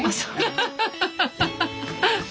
ハハハハハハ！